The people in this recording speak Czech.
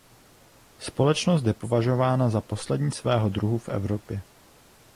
Společnost je považována za poslední svého druhu v Evropě.